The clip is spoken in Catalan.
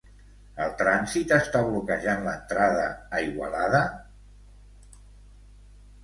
El trànsit està bloquejant l'entrada a Igualada?